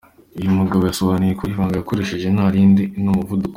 Uyu mugabo yasobanuye ko ibanga yakoresheje nta rindi, ni umuvuduko.